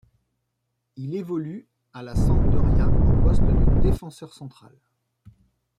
Il évolue à la Sampdoria au poste de défenseur central.